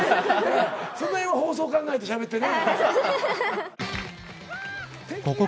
その辺は放送考えてしゃべってね。